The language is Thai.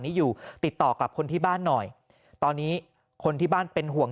นี้อยู่ติดต่อกับคนที่บ้านหน่อยตอนนี้คนที่บ้านเป็นห่วง